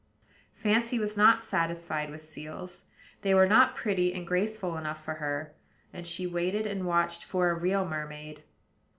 Fancy was not satisfied with seals, they were not pretty and graceful enough for her, and she waited and watched for a real mermaid.